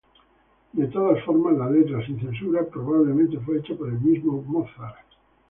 De todas formas, la letra, sin censura, probablemente fue hecha por el mismo Mozart.